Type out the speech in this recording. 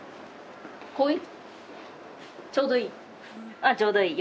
ああちょうどいい。